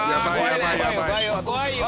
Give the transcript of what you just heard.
怖いよ！